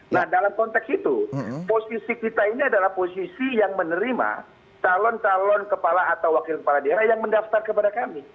nah dalam konteks itu posisi kita ini adalah posisi yang menerima calon calon kepala atau wakil kepala daerah yang mendaftar kepada kami